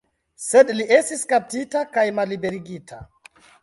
Sed li estis kaptita kaj malliberigita.